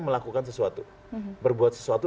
melakukan sesuatu berbuat sesuatu